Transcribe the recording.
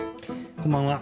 こんばんは。